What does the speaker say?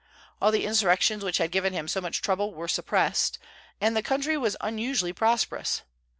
All the insurrections which had given him so much trouble were suppressed, and the country was unusually prosperous.